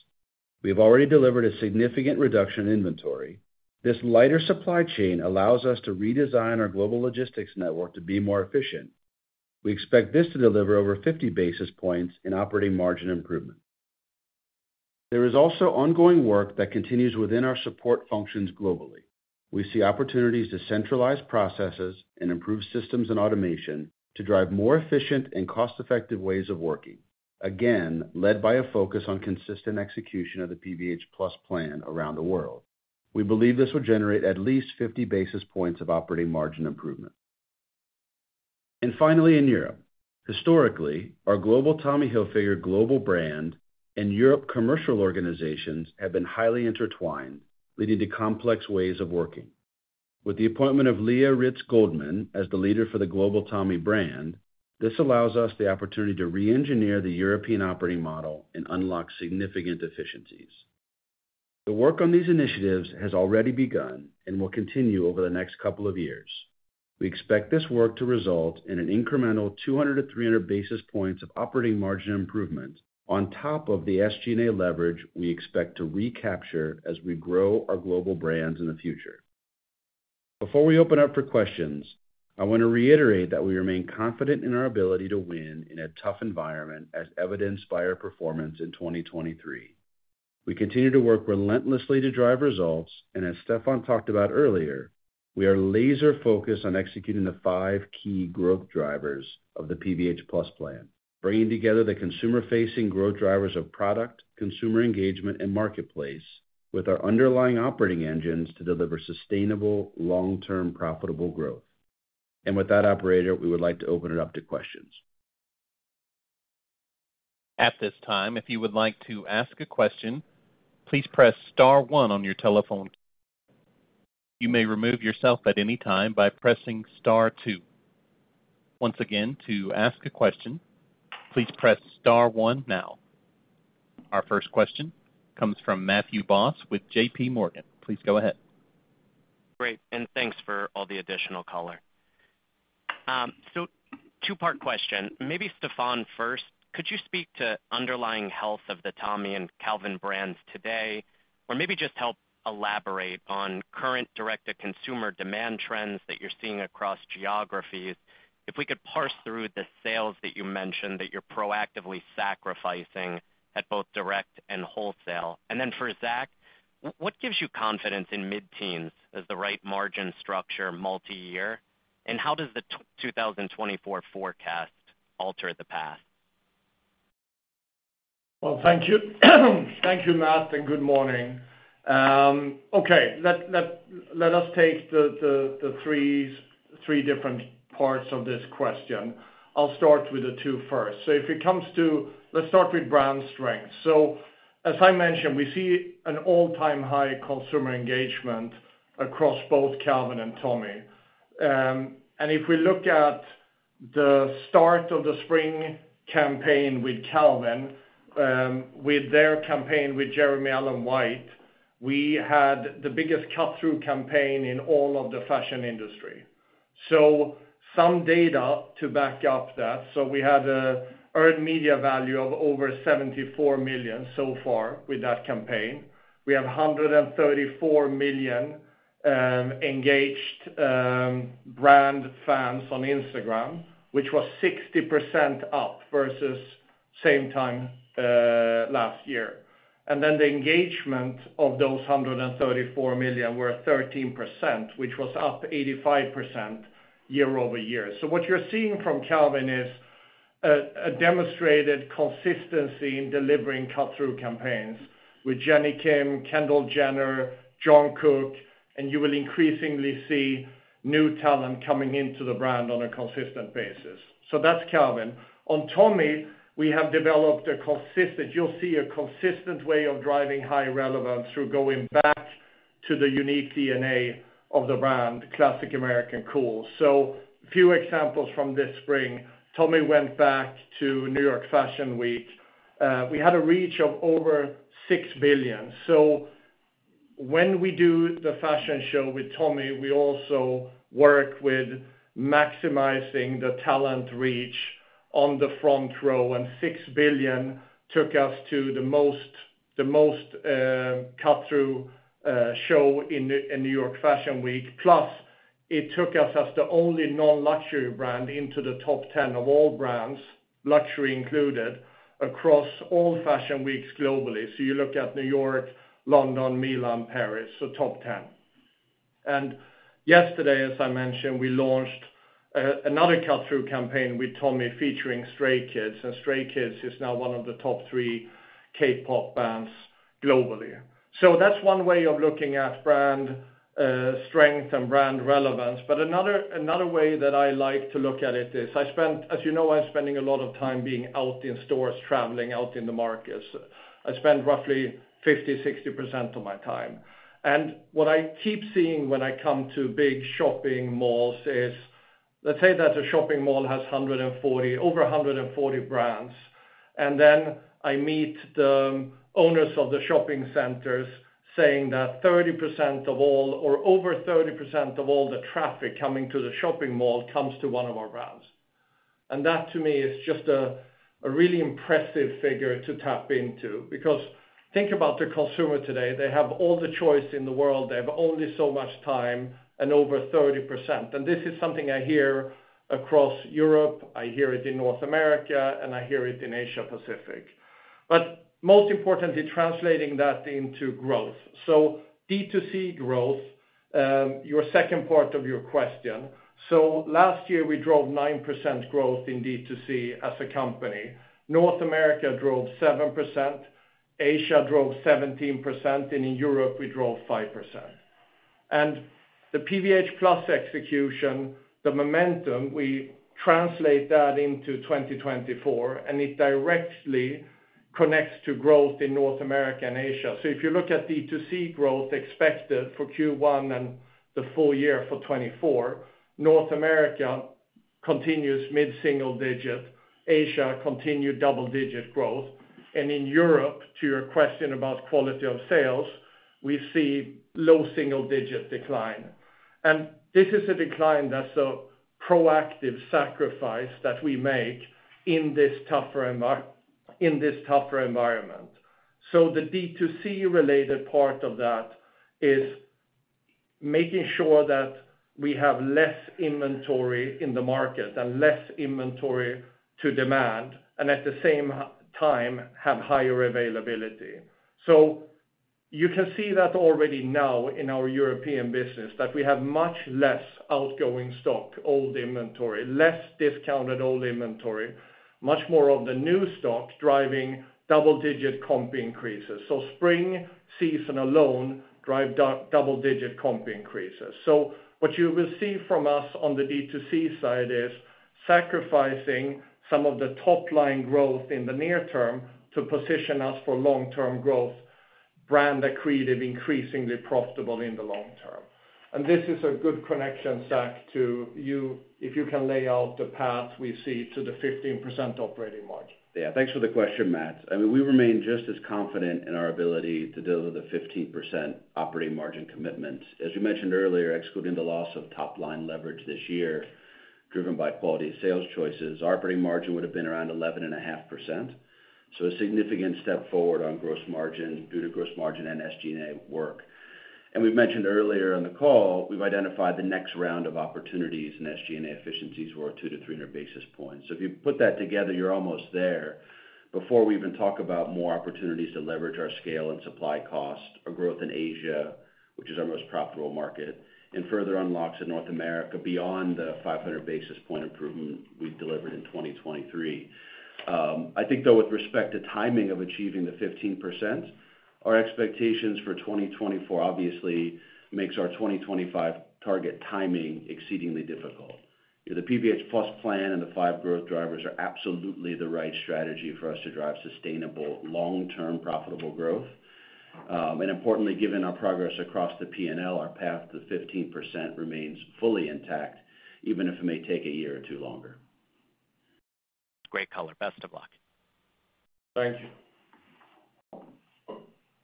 Speaker 4: We have already delivered a significant reduction in inventory. This lighter supply chain allows us to redesign our global logistics network to be more efficient. We expect this to deliver over 50 basis points in operating margin improvement. There is also ongoing work that continues within our support functions globally. We see opportunities to centralize processes and improve systems and automation to drive more efficient and cost-effective ways of working, again led by a focus on consistent execution of the PVH+ Plan around the world. We believe this will generate at least 50 basis points of operating margin improvement. And finally, in Europe. Historically, our global Tommy Hilfiger global brand and Europe commercial organizations have been highly intertwined, leading to complex ways of working. With the appointment of Lea Rytz Goldman as the leader for the global Tommy brand, this allows us the opportunity to re-engineer the European operating model and unlock significant efficiencies. The work on these initiatives has already begun and will continue over the next couple of years. We expect this work to result in an incremental 200-300 basis points of operating margin improvement on top of the SG&A leverage we expect to recapture as we grow our global brands in the future. Before we open up for questions, I want to reiterate that we remain confident in our ability to win in a tough environment as evidenced by our performance in 2023. We continue to work relentlessly to drive results, and as Stefan talked about earlier, we are laser-focused on executing the five key growth drivers of the PVH+ plan, bringing together the consumer-facing growth drivers of product, consumer engagement, and marketplace with our underlying operating engines to deliver sustainable, long-term profitable growth. And with that, operator, we would like to open it up to questions.
Speaker 1: At this time, if you would like to ask a question, please press star one on your telephone. You may remove yourself at any time by pressing star two. Once again, to ask a question, please press star one now. Our first question comes from Matthew Boss with JPMorgan. Please go ahead.
Speaker 5: Great, and thanks for all the additional color. So two-part question. Maybe Stefan first. Could you speak to underlying health of the Tommy and Calvin brands today, or maybe just help elaborate on current direct-to-consumer demand trends that you're seeing across geographies? If we could parse through the sales that you mentioned that you're proactively sacrificing at both direct and wholesale. And then for Zac, what gives you confidence in mid-teens as the right margin structure multi-year, and how does the 2024 forecast alter the path?
Speaker 3: Well, thank you. Thank you, Matt, and good morning. Okay, let us take the three different parts of this question. I'll start with the two first. So if it comes to, let's start with brand strengths. So as I mentioned, we see an all-time high consumer engagement across both Calvin and Tommy. And if we look at the start of the spring campaign with Calvin, with their campaign with Jeremy Allen White, we had the biggest cut-through campaign in all of the fashion industry. So some data to back up that. So we had earned media value of over $74 million so far with that campaign. We have 134 million engaged brand fans on Instagram, which was 60% up versus same time last year. And then the engagement of those 134 million were 13%, which was up 85% year-over-year. So what you're seeing from Calvin is a demonstrated consistency in delivering cut-through campaigns with Jennie Kim, Kendall Jenner, Jungkook, and you will increasingly see new talent coming into the brand on a consistent basis. So that's Calvin. On Tommy, we have developed a consistent, you'll see, a consistent way of driving high relevance through going back to the unique DNA of the brand, Classic American Cool. So a few examples from this spring. Tommy went back to New York Fashion Week. We had a reach of over 6 billion. So when we do the fashion show with Tommy, we also work with maximizing the talent reach on the front row, and 6 billion took us to the most cut-through show in New York Fashion Week. Plus, it took us as the only non-luxury brand into the top 10 of all brands, luxury included, across all fashion weeks globally. So you look at New York, London, Milan, Paris, so top 10. Yesterday, as I mentioned, we launched another cut-through campaign with Tommy featuring Stray Kids, and Stray Kids is now one of the top three K-pop bands globally. That's one way of looking at brand strength and brand relevance. Another way that I like to look at it is I spent as you know, I'm spending a lot of time being out in stores, traveling out in the markets. I spend roughly 50%-60% of my time. What I keep seeing when I come to big shopping malls is let's say that a shopping mall has over 140 brands, and then I meet the owners of the shopping centers saying that 30% of all or over 30% of all the traffic coming to the shopping mall comes to one of our brands. That, to me, is just a really impressive figure to tap into because, think about the consumer today. They have all the choice in the world. They have only so much time and over 30%. This is something I hear across Europe. I hear it in North America, and I hear it in Asia-Pacific. But most importantly, translating that into growth. So, D2C growth, your second part of your question. So, last year, we drove 9% growth in D2C as a company. North America drove 7%. Asia drove 17%, and in Europe, we drove 5%. And the PVH+ execution, the momentum, we translate that into 2024, and it directly connects to growth in North America and Asia. So if you look at D2C growth expected for Q1 and the full year for 2024, North America continues mid-single digit, Asia continued double-digit growth, and in Europe, to your question about quality of sales, we see low single-digit decline. This is a decline that's a proactive sacrifice that we make in this tougher environment. The D2C-related part of that is making sure that we have less inventory in the market and less inventory to demand and, at the same time, have higher availability. You can see that already now in our European business, that we have much less outgoing stock, old inventory, less discounted old inventory, much more of the new stock driving double-digit comp increases. Spring season alone drives double-digit comp increases. So what you will see from us on the D2C side is sacrificing some of the top-line growth in the near term to position us for long-term growth, brand accretive increasingly profitable in the long term. This is a good connection, Zac, to you if you can lay out the path we see to the 15% operating margin.
Speaker 4: Yeah, thanks for the question, Matt. I mean, we remain just as confident in our ability to deliver the 15% operating margin commitment. As you mentioned earlier, excluding the loss of top-line leverage this year driven by quality of sales choices, our operating margin would have been around 11.5%. So a significant step forward on gross margin due to gross margin and SG&A work. We mentioned earlier on the call, we've identified the next round of opportunities in SG&A efficiencies were at 200-300 basis points. So if you put that together, you're almost there. Before we even talk about more opportunities to leverage our scale and supply cost, our growth in Asia, which is our most profitable market, and further unlocks in North America beyond the 500 basis point improvement we delivered in 2023. I think, though, with respect to timing of achieving the 15%, our expectations for 2024 obviously makes our 2025 target timing exceedingly difficult. The PVH+ Plan and the five growth drivers are absolutely the right strategy for us to drive sustainable, long-term profitable growth. And importantly, given our progress across the P&L, our path to the 15% remains fully intact, even if it may take a year or two longer.
Speaker 5: Great color. Best of luck.
Speaker 4: Thank you.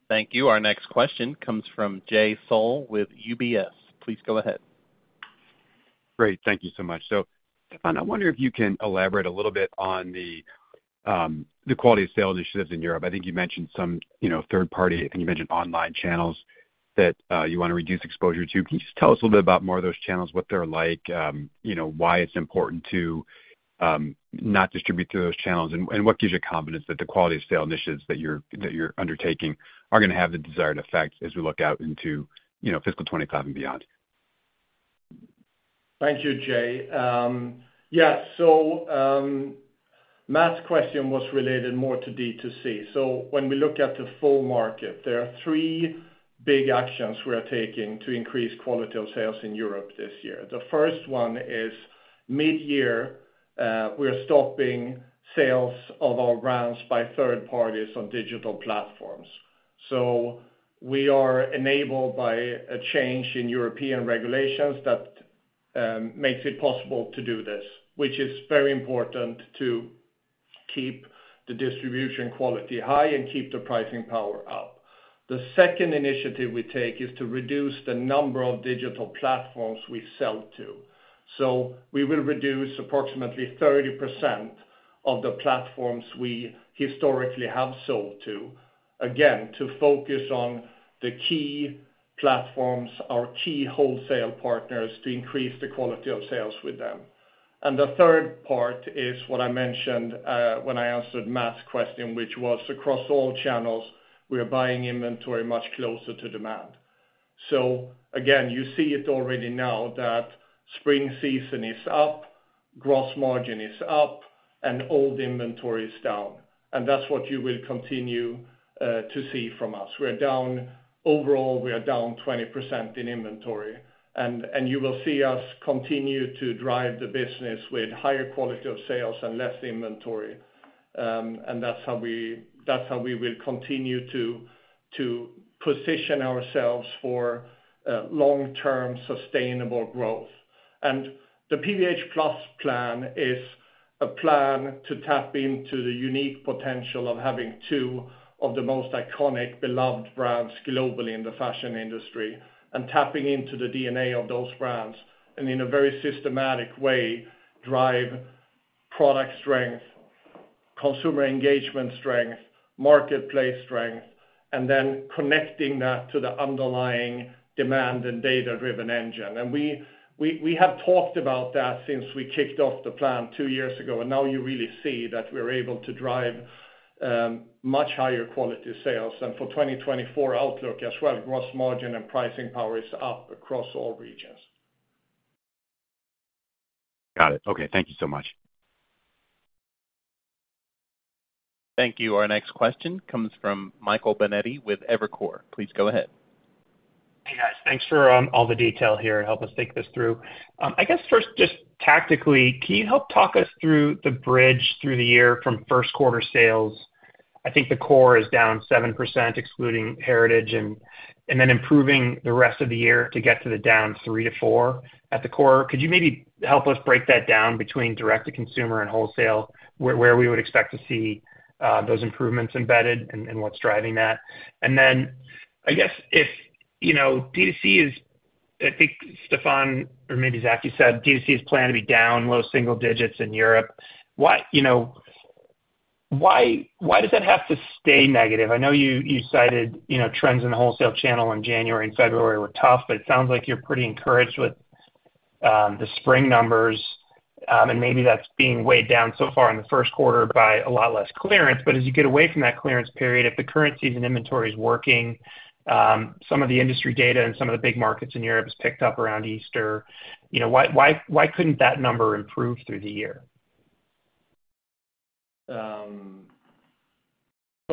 Speaker 1: Thank you. Our next question comes from Jay Sole with UBS. Please go ahead.
Speaker 6: Great. Thank you so much. So, Stefan, I wonder if you can elaborate a little bit on the quality of sales initiatives in Europe. I think you mentioned some third-party I think you mentioned online channels that you want to reduce exposure to. Can you just tell us a little bit about more of those channels, what they're like, why it's important to not distribute through those channels, and what gives you confidence that the quality of sales initiatives that you're undertaking are going to have the desired effect as we look out into fiscal 2025 and beyond?
Speaker 3: Thank you, Jay. Yeah, so Matt's question was related more to D2C. So when we look at the full market, there are three big actions we are taking to increase quality of sales in Europe this year. The first one is mid-year, we are stopping sales of our brands by third parties on digital platforms. So we are enabled by a change in European regulations that makes it possible to do this, which is very important to keep the distribution quality high and keep the pricing power up. The second initiative we take is to reduce the number of digital platforms we sell to. So we will reduce approximately 30% of the platforms we historically have sold to, again, to focus on the key platforms, our key wholesale partners, to increase the quality of sales with them. And the third part is what I mentioned when I answered Matt's question, which was across all channels, we are buying inventory much closer to demand. So, again, you see it already now that spring season is up, gross margin is up, and old inventory is down. And that's what you will continue to see from us. Overall, we are down 20% in inventory. And you will see us continue to drive the business with higher quality of sales and less inventory. And that's how we will continue to position ourselves for long-term sustainable growth. And the PVH+ Plan is a plan to tap into the unique potential of having two of the most iconic, beloved brands globally in the fashion industry and tapping into the DNA of those brands and, in a very systematic way, drive product strength, consumer engagement strength, marketplace strength, and then connecting that to the underlying demand and data-driven engine. And we have talked about that since we kicked off the plan two years ago. And now you really see that we're able to drive much higher quality sales. And for 2024 outlook as well, gross margin and pricing power is up across all regions.
Speaker 6: Got it. Okay, thank you so much.
Speaker 1: Thank you. Our next question comes from Michael Binetti with Evercore ISI. Please go ahead.
Speaker 7: Hey, guys. Thanks for all the detail here and help us think this through. I guess first, just tactically, can you help talk us through the bridge through the year from first-quarter sales? I think the core is down 7% excluding Heritage and then improving the rest of the year to get to the down 3%-4% at the core. Could you maybe help us break that down between direct-to-consumer and wholesale, where we would expect to see those improvements embedded and what's driving that? And then I guess if D2C is I think Stefan or maybe Zac, you said D2C is planning to be down low single digits in Europe. Why does that have to stay negative? I know you cited trends in the wholesale channel in January and February were tough, but it sounds like you're pretty encouraged with the spring numbers. And maybe that's being weighed down so far in the first quarter by a lot less clearance. But as you get away from that clearance period, if the current season inventory is working, some of the industry data and some of the big markets in Europe has picked up around Easter, why couldn't that number improve through the year?
Speaker 3: So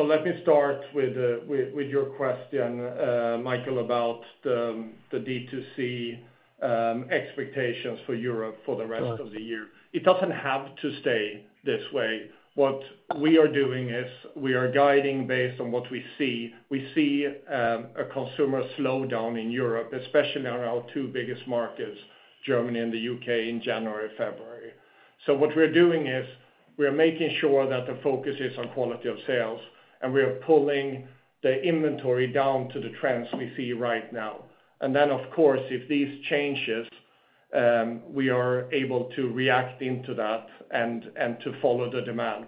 Speaker 3: let me start with your question, Michael, about the D2C expectations for Europe for the rest of the year. It doesn't have to stay this way. What we are doing is we are guiding based on what we see. We see a consumer slowdown in Europe, especially on our two biggest markets, Germany and the U.K., in January, February. What we're doing is we are making sure that the focus is on quality of sales, and we are pulling the inventory down to the trends we see right now. Then, of course, if these changes, we are able to react into that and to follow the demand.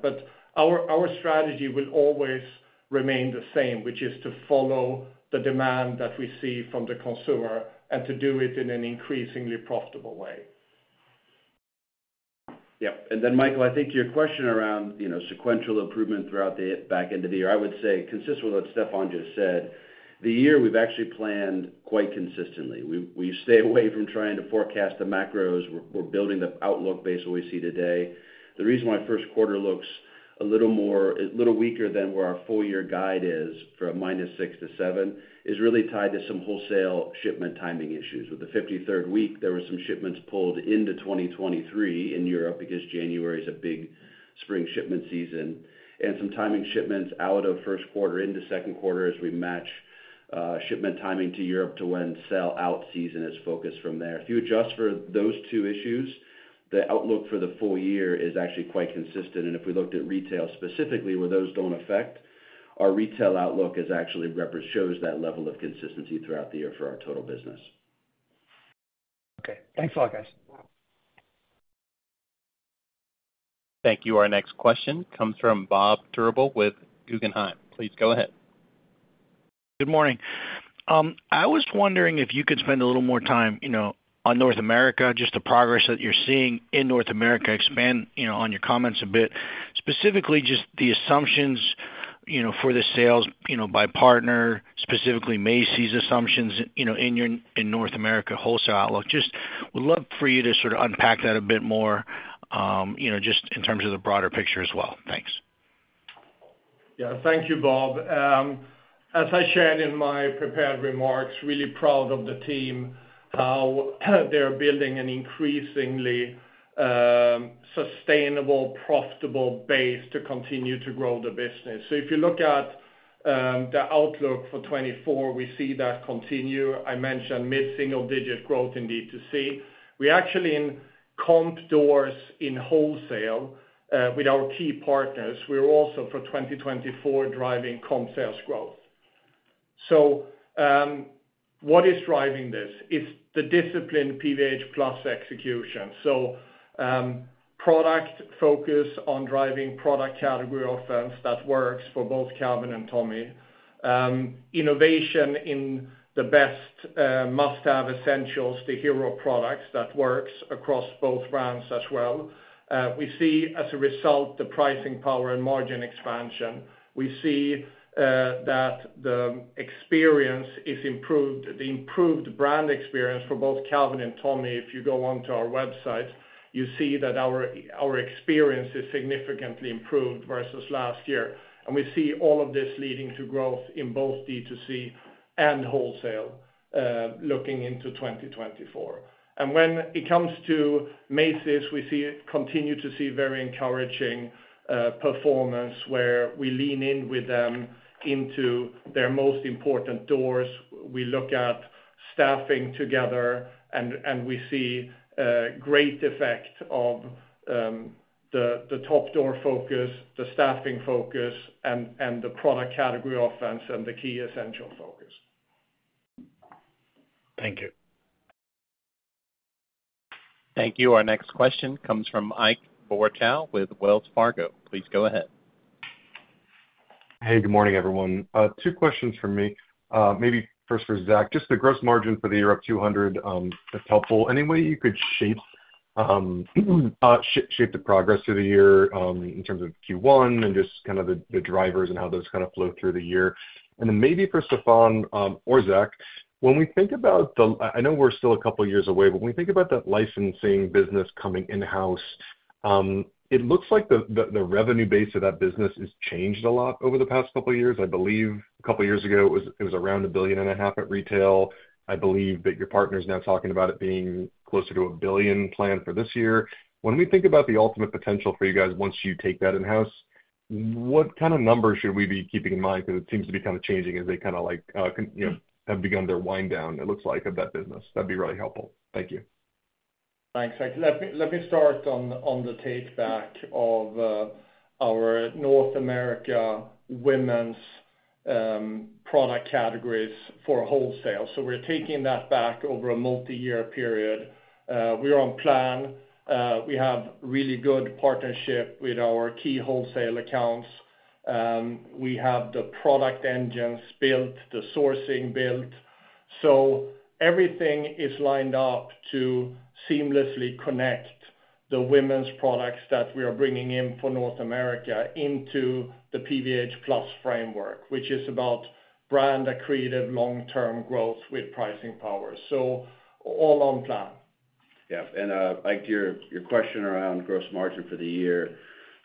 Speaker 3: Our strategy will always remain the same, which is to follow the demand that we see from the consumer and to do it in an increasingly profitable way.
Speaker 4: Yep. Then, Michael, I think your question around sequential improvement throughout the back end of the year, I would say, consistent with what Stefan just said, the year, we've actually planned quite consistently. We stay away from trying to forecast the macros. We're building the outlook based on what we see today. The reason why first quarter looks a little weaker than where our full-year guide is for a -6 to -7 is really tied to some wholesale shipment timing issues. With the 53rd week, there were some shipments pulled into 2023 in Europe because January is a big spring shipment season, and some timing shipments out of first quarter into second quarter as we match shipment timing to Europe to when sell-out season is focused from there. If you adjust for those two issues, the outlook for the full year is actually quite consistent. If we looked at retail specifically, where those don't affect, our retail outlook shows that level of consistency throughout the year for our total business.
Speaker 7: Okay. Thanks a lot, guys.
Speaker 1: Thank you. Our next question comes from Bob Drbul with Guggenheim. Please go ahead.
Speaker 8: Good morning. I was wondering if you could spend a little more time on North America, just the progress that you're seeing in North America, expand on your comments a bit, specifically just the assumptions for the sales by partner, specifically Macy's assumptions in North America wholesale outlook? Just would love for you to sort of unpack that a bit more just in terms of the broader picture as well. Thanks.
Speaker 3: Yeah, thank you, Bob. As I shared in my prepared remarks, really proud of the team, how they're building an increasingly sustainable, profitable base to continue to grow the business. So if you look at the outlook for 2024, we see that continue. I mentioned mid-single digit growth in D2C. We actually comp doors in wholesale with our key partners. We're also, for 2024, driving comp sales growth. So what is driving this? It's the disciplined PVH+ execution. So, product focus on driving product category offense that works for both Calvin and Tommy, innovation in the best must-have essentials, the hero products that works across both brands as well. We see, as a result, the pricing power and margin expansion. We see that the experience is improved, the improved brand experience for both Calvin and Tommy. If you go onto our website, you see that our experience is significantly improved versus last year. And we see all of this leading to growth in both D2C and wholesale looking into 2024. And when it comes to Macy's, we continue to see very encouraging performance where we lean in with them into their most important doors. We look at staffing together, and we see great effect of the top-door focus, the staffing focus, and the product category offense and the key essential focus.
Speaker 8: Thank you.
Speaker 1: Thank you. Our next question comes from Ike Boruchow with Wells Fargo. Please go ahead.
Speaker 9: Hey, good morning, everyone. Two questions from me. Maybe first for Zac, just the gross margin for the year up 200, that's helpful. Any way you could shape the progress through the year in terms of Q1 and just kind of the drivers and how those kind of flow through the year? And then maybe for Stefan or Zac, when we think about the I know we're still a couple of years away, but when we think about that licensing business coming in-house, it looks like the revenue base of that business has changed a lot over the past couple of years. I believe a couple of years ago, it was around $1.5 billion at retail. I believe that your partner is now talking about it being closer to $1 billion planned for this year. When we think about the ultimate potential for you guys once you take that in-house, what kind of numbers should we be keeping in mind? Because it seems to be kind of changing as they kind of have begun their wind down, it looks like, of that business. That'd be really helpful. Thank you.
Speaker 3: Thanks, Zac. Let me start on the take-back of our North America women's product categories for wholesale. So we're taking that back over a multi-year period. We are on plan. We have really good partnership with our key wholesale accounts. We have the product engines built, the sourcing built. So everything is lined up to seamlessly connect the women's products that we are bringing in for North America into the PVH+ framework, which is about brand accretive long-term growth with pricing power. So all on plan.
Speaker 4: Yeah. And, Ike, your question around gross margin for the year.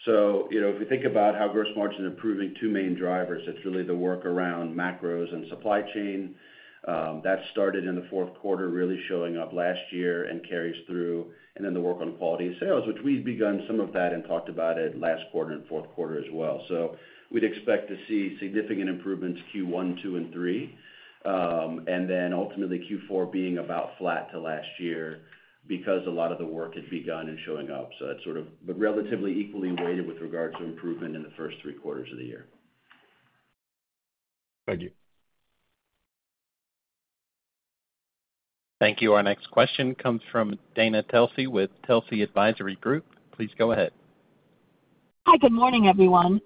Speaker 4: So if we think about how gross margin is improving, two main drivers, it's really the work around macros and supply chain. That started in the fourth quarter, really showing up last year and carries through. And then the work on quality of sales, which we'd begun some of that and talked about it last quarter and fourth quarter as well. So we'd expect to see significant improvements Q1, Q2, and Q3, and then ultimately Q4 being about flat to last year because a lot of the work had begun and showing up. So it's sort of but relatively equally weighted with regards to improvement in the first three quarters of the year.
Speaker 9: Thank you.
Speaker 1: Thank you. Our next question comes from Dana Telsey with Telsey Advisory Group. Please go ahead.
Speaker 10: Hi, good morning, everyone.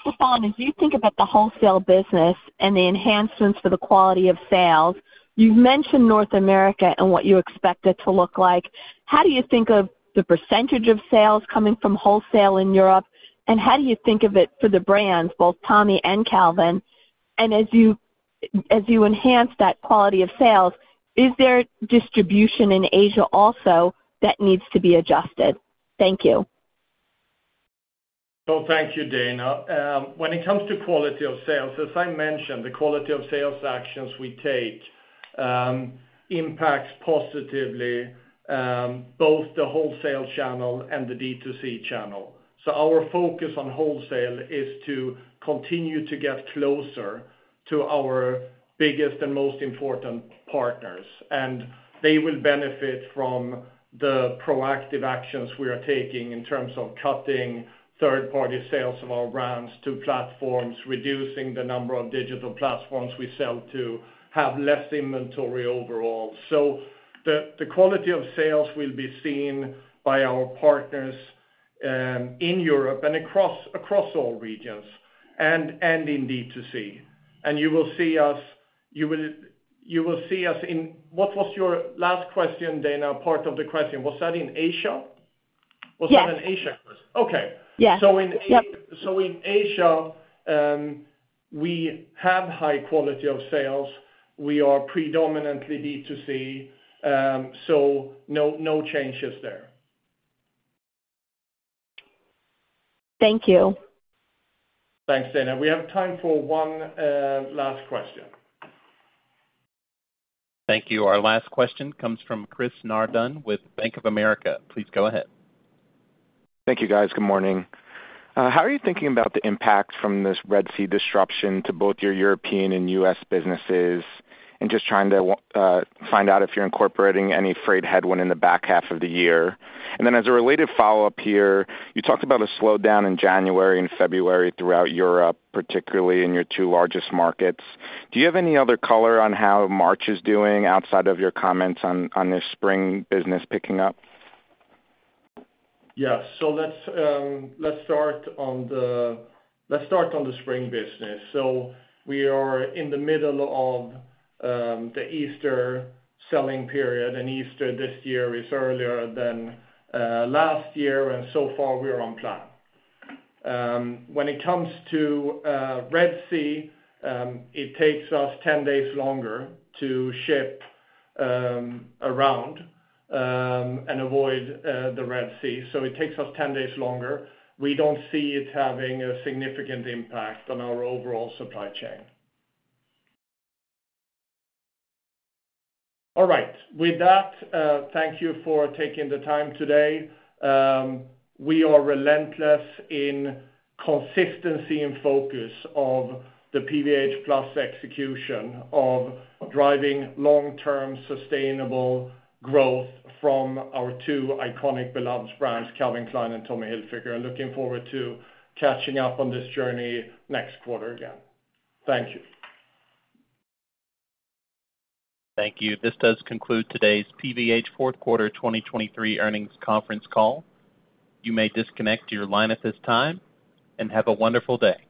Speaker 10: Stefan, as you think about the wholesale business and the enhancements for the quality of sales, you've mentioned North America and what you expect it to look like. How do you think of the percentage of sales coming from wholesale in Europe? And how do you think of it for the brands, both Tommy and Calvin? And as you enhance that quality of sales, is there distribution in Asia also that needs to be adjusted? Thank you.
Speaker 3: So thank you, Dana. When it comes to quality of sales, as I mentioned, the quality of sales actions we take impacts positively both the wholesale channel and the D2C channel. So our focus on wholesale is to continue to get closer to our biggest and most important partners. And they will benefit from the proactive actions we are taking in terms of cutting third-party sales of our brands to platforms, reducing the number of digital platforms we sell to, have less inventory overall. So the quality of sales will be seen by our partners in Europe and across all regions and in D2C. And you will see us you will see us in what was your last question, Dana? Part of the question. Was that in Asia? Was that an Asia question?
Speaker 10: Yes.
Speaker 3: Okay. So in Asia, we have high quality of sales. We are predominantly D2C. So no changes there.
Speaker 10: Thank you.
Speaker 3: Thanks, Dana. We have time for one last question.
Speaker 1: Thank you. Our last question comes from Chris Nardone with Bank of America. Please go ahead.
Speaker 11: Thank you, guys. Good morning. How are you thinking about the impact from this Red Sea disruption to both your European and U.S. businesses and just trying to find out if you're incorporating any freight headwind in the back half of the year? And then as a related follow-up here, you talked about a slowdown in January and February throughout Europe, particularly in your two largest markets. Do you have any other color on how March is doing outside of your comments on this spring business picking up?
Speaker 3: Yeah. So let's start on the spring business. So we are in the middle of the Easter selling period. And Easter this year is earlier than last year. And so far, we are on plan. When it comes to Red Sea, it takes us 10 days longer to ship around and avoid the Red Sea. So it takes us 10 days longer. We don't see it having a significant impact on our overall supply chain. All right. With that, thank you for taking the time today. We are relentless in consistency and focus of the PVH+ execution of driving long-term, sustainable growth from our two iconic, beloved brands, Calvin Klein and Tommy Hilfiger. Looking forward to catching up on this journey next quarter again. Thank you.
Speaker 1: Thank you. This does conclude today's PVH fourth quarter 2023 earnings conference call. You may disconnect your line at this time. Have a wonderful day.